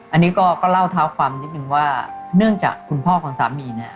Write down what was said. อันนี้ก็เล่าเท้าความนิดนึงว่า